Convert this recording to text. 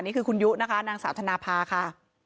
นี่คือคุณยุนะคะนางสาวธนภาค่ะ